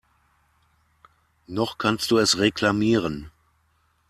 Noch kannst du es reklamieren.